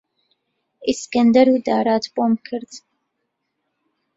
ئیسکەندەر و دارات بۆم کرد،